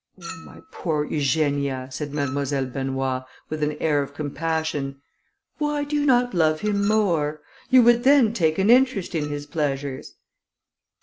"Oh! my poor Eugenia," said Mademoiselle Benoît, with an air of compassion, "why do you not love him more? You would then take an interest in his pleasures."